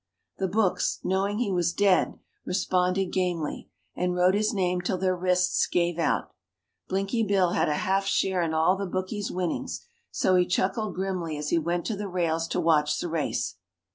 The books, knowing he was "dead", responded gamely, and wrote his name till their wrists gave out. Blinky Bill had a half share in all the bookies' winnings, so he chuckled grimly as he went to the rails to watch the race.